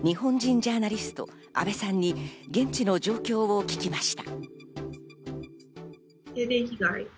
ジャーナリスト安部さんに現地の状況を聞きました。